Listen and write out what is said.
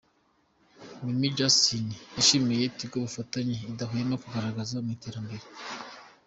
Mimi Justin, yashimiye Tigo ubufatanye idahwema kugaragaza mu iterambere .